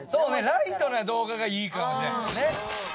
ライトな動画がいいかもしれないですよね。